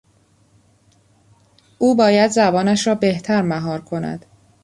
او باید زبانش را بهتر مهار کند.